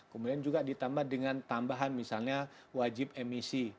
kemudian juga ditambah dengan tambahan misalnya wajib emisi